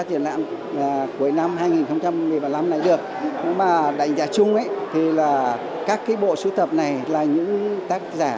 triển lãm cuối năm hai nghìn một mươi năm này được bà đánh giá chung thì là các cái bộ sưu tập này là những tác giả